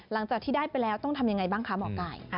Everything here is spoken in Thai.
หลังจากที่ได้ไปแล้วต้องทำยังไงบ้างคะหมอไก่